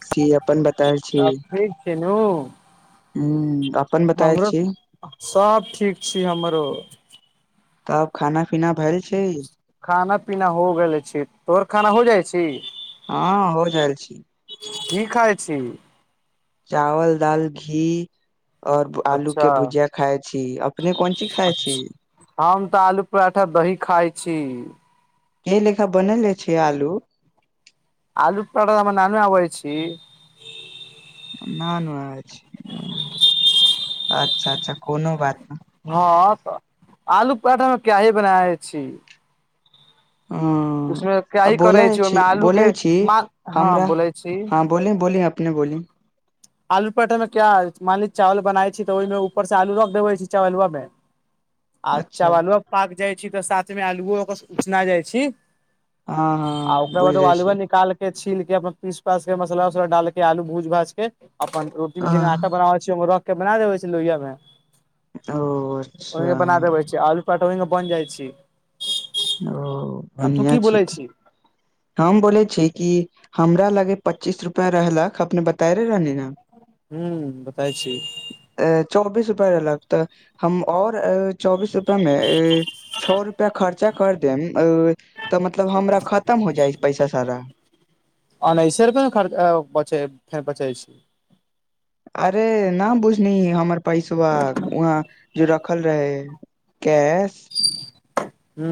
[unintelligible] अपन बतायल छी सब ठीक छै नू हू अप हमरो सब ठीक छी हमरो तब खाना पीना भेल छै खाना पीना हो गेले छै तोहर खाना हो जाइ छी हँ हो जा छी की खाइ छी चावल दाल घी और आलू अच्छा के भुजिया खाइ छी अपने कोन चीज खाइ छी अच्छा हम तऽ आलू पराठा दही खााय छी हे लेखा बनेले छ आलू आलू पड़ा हमर बनाबे आबै छी न नहि अच्छा अच्छा कोनो बात नहि हँ तऽ आलू पराठामे क्याही बनाै छी ह उसमे आ क्याही बोलै करै ओहिमे छी आलू बोलै के छी मा हँ हमरा बोलै छी हँ बोलि बोलि अपने बोलि आलू पेठे मे क्य मानली चावल बनाय छी छै तऽ ओहि मे ऊपर से आलू रख देबे छै चावला मे [inaudible] अच्छा आलु पाक जाइ छी तऽ साथमे आलूओ ओकर उसना जाइ छी हँ आ हँ ओकरा बुझ बाद जाइ छी अलुआ नीकाल के छील के अपन पीस पास के मसाला उसाला ाल के आलू भूज भाज के अपन रोटी जेना बनाबै छै रख के बना देबे छै लोहिा मे ओ अच्छा ओहि बना देबे छ आलू- पराठा बन जाइ छी। ओ आ तू बढ़आ की छै बोलै तऽ। छी हम बोले छी कि हमरा लगे पच्चीस रुपआ रहलक अपने बताय रहे रहल ने हू बताइ छी अ चौबीस रुपआ लगत हम आऔर चौबीस रुपआ मे छओ रुपआ खर्चा कर देम तऽ मतलब हमरा खतम हो जाइ पैसा सारा अनासे रुप खर्चा बच बचै छै अरे न बुझनी हमर पैसा वहाँ जो रखल रहे कैश हू।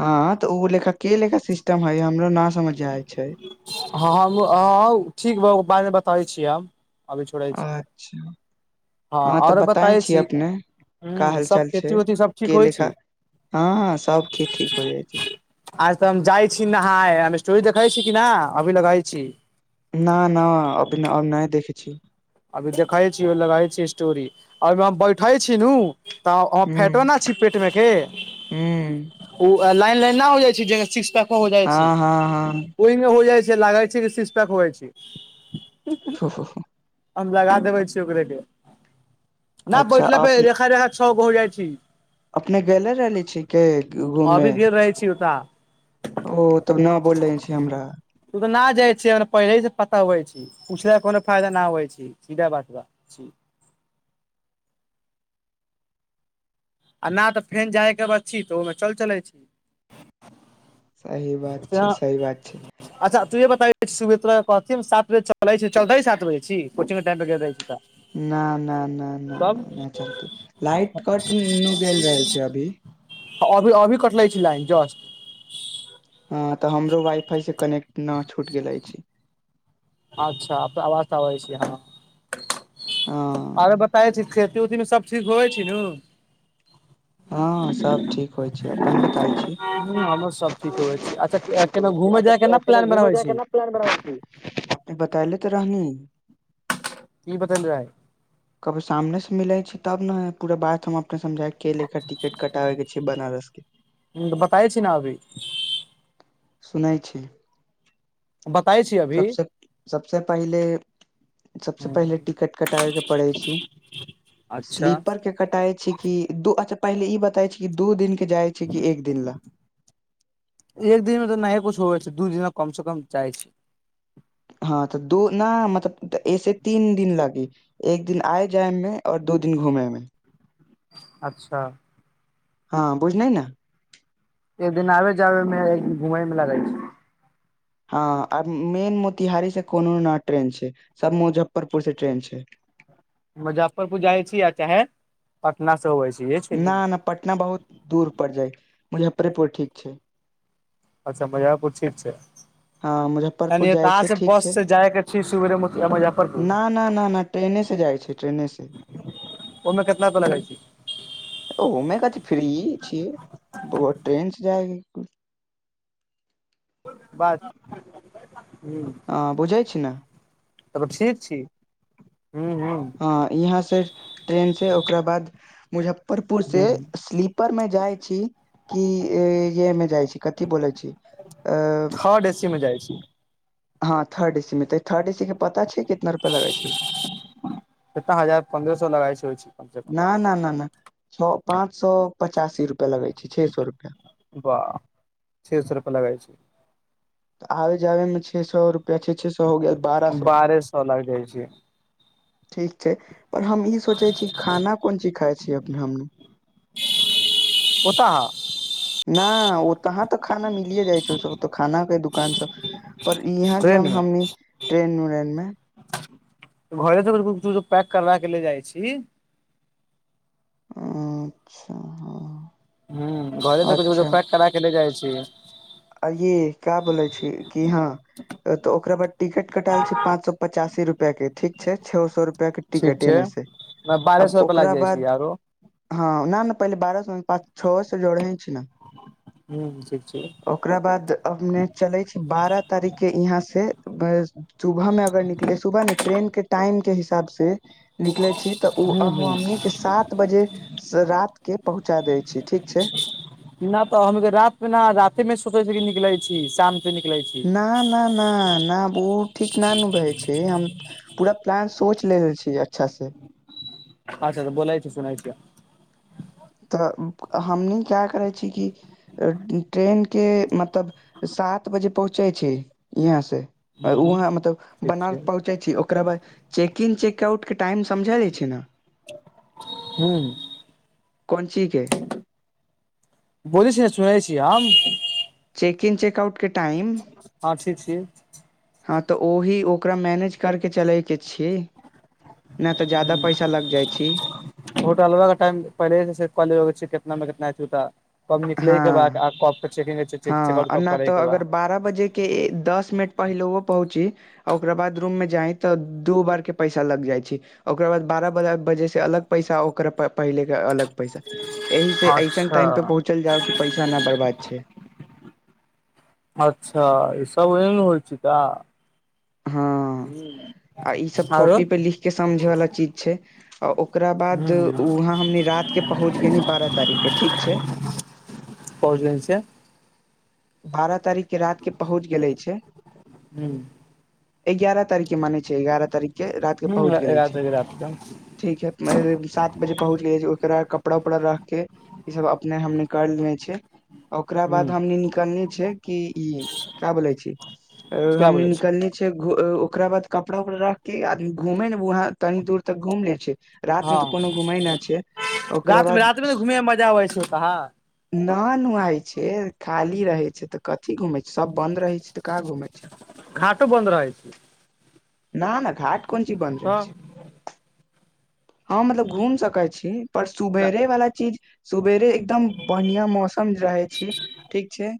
हँ तऽ ओ लेखा के लेखा सिस्टम हय हमरो ना समझ जाय छै। हँ ठीक बा बाद मे बताबै छीिय हम। अभी छोड़ै छी अच्छा। हँ अहाँ तऽ आओर बताए बताबै छीिय छी अपने क हूँ सब हालचाल खेती छै उती सब ठीक के होइ छी लेखा हँ सब किीज ठीक हो जाइ छै। आज तऽ हम जाइ छी नहााय हम स्टोरी देखै छी कि न अभी लगै छी। न न अभ नय देखै छी। अभी देखै छीिय लगै छी स्टोरी ओहिमे हम बैठे छी नू तऽ अ हुं फैटबा न छी पेट मे के हुं ओ लाइन लाइन नहि हो जाइ छै ज सिक्स पैको हो जाइ हँ हँ छै। हँ ओहिमे हो जाइ छै लागै छै कि सीस पैक हो जाइ छै। ओ होहो हम लगा देबे छी ओकरे के नहि अच्छा बैठला पे अपने रेखा रेखा छ गो हो जाइ छै। अपने गेले रहली छ के घूमे। अभी गेल रहै छी ओत। ओ तब न बोलले छी हमरा। तू त न जाय छे पहिले से पता होई छै पुछल के कोनो फायदा न होई छी सीधा बात बा छी। आ नहि तऽ फेन जायके ब छी तऽ ओहिमे चल चलै छी। सही बात छै सही बात छै। अच्छा तूँह बताै छ छी सुबे तोरा कहथि हम सात बे चलैत चलतै सात बे छी कोचिंगके टाइमपर गेल दैत छी तऽ। न न न नहि नहि तब नहि चलते लाइट कट नुगल रहल छै अभी। अभी अभी कट लइ छ लन जस्ट। हँ तऽ हमरो वाई फाई से कनेक्ट न छूट गेले छै। अच्छा आवाज आबै छियै ह। हाँ आरे बताबे छी खेती उऊती मे सब ठीक होवे छै न। हँ सब ठीक होइ छै अपन बताल छी। ह हमरो सब ठीक होवे छी अच्छा केना घूमे जाय के न [unintelligible] प्लान घूमै बनाबै जाइ छी के न प्लान बनैले छी बताले ते रहनी। की बतल रहै कभी सामने से मिलै छै तब ने पूरा बात हम अपने समझायके एले खैर टिकट कटाबेके छै बनारस के बताय छी ने अभी सुनैय छी बताै छियै। सबसँ सबसँ पहिले। सबसे पहिले टिकट कटाबै के पड़ै छी अच्छा। स्लीपर के कटाइ छै कि दू अच्छा पहिले ई बताय छै कि दू दिन के जाय छै कि एक दिन ला एक दिनमे तऽ नहि कुछ होवै छै दू दिन कम से कम चाहै छै हाँ तऽ दू ना मतलब एक से तीन दिन लगि एक दिन आए जायमे आओर दू दिन घूमेैमे अच्छा हाँ बुझलै न एक दिन आबे जाबेमे एक दिन घूमयमे लगै छै हाँ आ मेन मोतिहारी से कोनो ने ट्रेन छै सब मुजफ्फरपुर से ट्रेन छै। मुजफ्फरपुर जाइ छी आ चाहे पटना से अबै छी इहे छै न नु न पटना बहुत दूर पर जाय मुजफ्फरेपुर ठीक छै। अच्छा मज्फपुर ठीक छै। हँ मुजफ्फरपुर यानि त जाइ इहाँ छै से ठीक बस छै से जायके छै सुबेरे मो-मुजफ्फरपुर। न न न न ट्रेने से जाइके छै ट्रेने से ओहिमे केतला त लगइ छै ओमे कती त फ्रीये छियै ट्रेन से जाए बात हूँ हाँ बुझै छी ने तब ठीक छी हूँ हूँ हाँ इहाँ से ट्रेन से ओकरा बाद मुजफ्फरपुर से हूँ स्लीपरमे जाइ छी कि य-अमे जाइ छी कथि बोलै छी अ- थर्ड एसीमे जाइ छी हाँ थर्ड ए सीमे तऽ थर्ड ए सी के पता छै कितना रुपआ लगे छै कितना हजार पन्द्रह सौ लगा छै होइ छी ना ना ना ना छ पाँच सए पचासी रुपआ लगै छै छए सए रुपआ वाह छे सए रुपआ लगाए छै तऽ आबे जाबेमे छओ सए रुपैआ छओ छओ सए हो गेल बारह सौ बारहे सए लागै छै ठीक छै पर हम ई सोचै छी खाना कोन चीज खााय छियैअपने हमनु पता हो ना ओ तहाँ तक खाना मिलिये जाइ छै ओ सभ तऽ खाना के दुकान सब पर यहाँ ट्रेन जब मे हमी ट्रेन उ्रेन मे घरे तऽर कुछो पैक करा के ले जाइ छी अच्छा हाँ हूँ घर तऽ कुछो कुछो पैक करा के ले जाइ छी आ ये का बोले छी कि हा तो ओकरा बाद टिकट कटाल छै पाँंच सए पचासी रुपआ के ठीक छै छओ सए रुपआ के टिकटे ने छै बारह सए रुपआ लागि जाइ छै आरो हँ ना ना पहिले बारह सए मे पाँच छओ से जोड़े छै नऽ हू ठीक छै ओकरा बाद अपने चलै छी बारह तारीख के यहाँ से सुबह में अगर निकले सुबह में ट्रेन के टाइम के हिसाब से निकले छी तऽ उ हूँ अ हूँ हमनी के सात बजे रात के पहुँचा देय छी ठीक छै नऽ तऽ हम रातमे ना राते मे सोचे छी निकलै छी शाम निकलै छै ना ना ना ना उ ठीक ना नू भै छै हम पूरा प्लान सोच लेबे छि अच्छा से अच्छा तऽ बोलाय छ सुनाय छिय तऽ हमनी का करै छी कि ट्रेनके मतलब सात बजे पहुँचै छै यहाँसे हूँ वहाँ मतलब ठीक बनार छै पहुँचै छै ओकरा बाद चेक किन चेकआउटके टाइम समझा लै छी नऽ हू कोन चीज के बाले सी नऽ सुनै छीय हम चेकिन चेकआउट के टाइम हँ ठीक छी हँ तऽ ओही ओकरा मैनेज करके चलै के छी नऽ तऽ जादा पैसा लग जाइ छी होटलवा के टाइम पहिले सँ सेट कऽ लेबा के छै कितना मिनट मे एत उ सब कब निकल के बा हँ कब चेकिन हँ ना तऽ अगर बारह बजेके दस मिनट पहिलोहो पहुँची आ ओकरा बाद रूममे जाइ तऽ दू बार के पैसा लग जाइ छै ओकरा बाद बारहह बजेसँ अलग पैसा ओकररा पहिलेके अलग पैसा एहि से ऐसन अच्छा टाइम पे पहुँचल जाउ कि पैसा ना बर्बाद छै अच्छा सब ओहन होइ छिका हँ हू आ ई सब कॉपी पे लिख के समझे वालला चीज छै आ ओकरा बाद हूँ हूँ वहां हमनी रात के पहुँच गेली बारह तारीख के ठीक छै पहुच गेल छिए बारह तारीखके रात के पहुँच गेल छै हूँ एगारह तारख के माने छै एगारह तारख के रात के पहुँच गेले छै एगारह तारिक के रात कऽ ठीक है सात बजे पहुँच गेल ओकरा कपड़ा उपड़ा रख के ई सब अपने हम निकाल लने छै ओकरा बाद हूँ हमने निकलने छै कि ई क्या बोले छी हम क्या बोलै छी निकलने ओकरा बाद कपड़ा उपड़ा रख के आदमी घूमे ने वहाँ तनी दूर तक घूम ले छै रात मे हँ तऽ कोनो घुमय ना छै ओकरा रात मे बाद रात मे ने घूमे मे मजा अबै छै ओतहा नऽ नुहई छै खाली रहे छै ते कथी घूमे छै सब बंद रहे छै ते का घूमे छै घाटो बन्द रहइ छै नऽ नऽ घाट कोन चीज बन्द रहै छै तऽ हँ मतलब घूम सकै छी पर सुबेरे वालला चीज सुवेरे एकदम बढ़िया मौसम रहे छै ठीक छै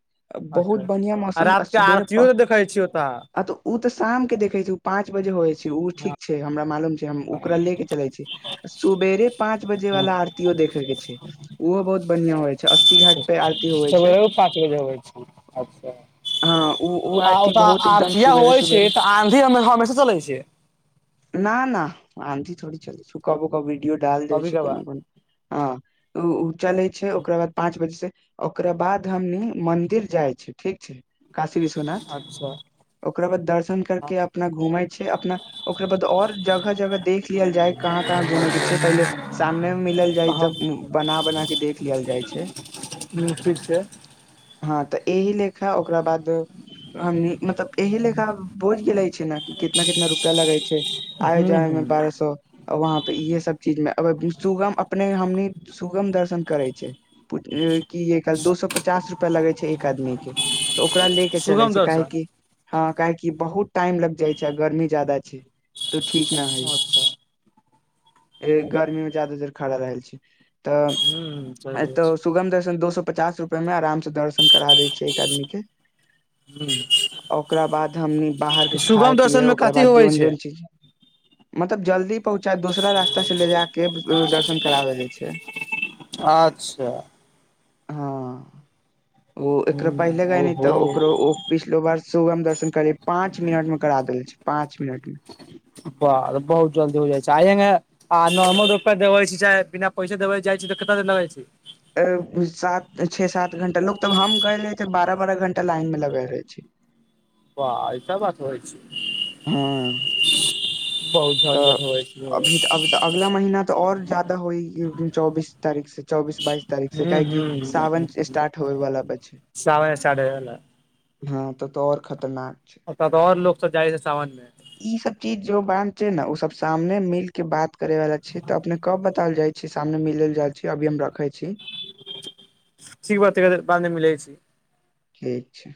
बहुत अच्छा बढ़िआं आ मौसम रात के सुबेरे आरतियो देखै छियै ओतऽ आ तऽ ओ तऽ शाम के देखे छै पाँंच बजे होइ छै ठीक छै हमरा मालूम छै हम ओकरा ले के चले छी सुबेरे पाँच बजे वाला आरतो देखे के छै ओहो बहुत बढ़िया होे छै अस्सी घाट पे आती हो सर पाँच बजे होब छी हँ ओ अच्छा आ आरती ओत बहुत एकदम आरतीया सुबेरे होइ छै तऽ आँधी हमेशा चलै छै न न आीधी थोड़ी चल छै ओ कबो कब विडियो डाल दै कभी छै कोनो कभार कोनो ह ओ ओ चलै छै ओकरा बाद पाँच बजे से ओकरा बाद हमनी मन्दिर जाइ छै ठीक छै काशी विश्वनाथ अच्छा ओकरा बाद दर्शन करके हँ अपना घुमेै छै अपना ओकरा बाद और जगह जगह देख लियल जाय कहाँ कहाँ घूमेय के छै पहिले सामने मे मिलल जाइ तऽ बना बना के देख लियल जाइ छै हँ ठीक छै हँ तऽ एहिह लेखा ओकरा बाद हमनी मतलब एहिह लेखा बोझ गेले छै ने कितना कितना रुपआ लगै छै आय हूँ जाइमे हूँ बारह स वहाँ पे इहे सब चीज मे सुगम अपने हमनी सुगम दर्शन करै छै पु की एक कल दू सए पचास रुपआ लगे छै एक आदमी के तऽ ओकरा ले के चले सुगम छै दर्शन काहेकि हँ काहेकि बहुत टाइम लग जाय छै गर्मी ज्यदा छै तो ठीक न है अच्छा गर्मी में ज्यदा देर खड़ा रहल छै तऽ हूँ सही कहै एतौ सुगम द दोसो पचास रुपआ में आराम से दर्शन करा देय छै एक आदमी के छी ओकरा बाद हमनी बाहरके खााय सुगम दर्शन पियए मे ओकरा कथी बाद होवे जोन छै जोन चीज मतलब जल्दी पहुँचा दोसरा रास्ता से ले जााक दर्शन कराबे जा छै अच्छा हँ ओ एकरो पहिले ग नहि ओहो तऽ ओकरो ओ पिछलो बार सुबम दर्शन कर पांच मिनट में करा देल छै पांच मिनट मे ब बहुत जल्दी हो जाइ छै आयेंगे आ नॉर्मल रोपैआ दवै छ छै चाह बिना पैसा देब जाइ छै तऽ कत लगए छै सात छे सात घंटा लोग तब हम कहले त बारह बारह घंटा लाइन में लगे रहे छी व ऐस बात होइ छै हँ बहुत तऽ झंझट होइ छै अभी त अऽ अगला महिीना तऽ और ज्याददा होइ चौबीस तारीख से चौबीस बाइस तारीख से हूं काहेक साावन स्टार्ट होे वालला बची सवय स्टार्ट होइ वला हँ तऽ तो आऔर खतरनाक ओत तऽ और लोग सब जाय छै सावन मे ई सब चीज जो बं छै ने ओ सब सामने मिल के बात करे वाला छै त अपने कब बताल जाय सामने मिल जा छी अभी हम रखे छी ठीक बा त बाद म मिल जाइ छी ठीक छै